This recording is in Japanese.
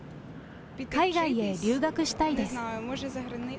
海外へ留学したいです。